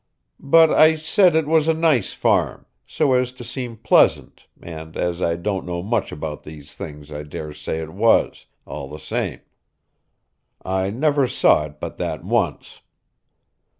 But I said it was a nice farm, so as to seem pleasant, and as I don't know much about these things I dare say it was, all the same. I never saw it but that once.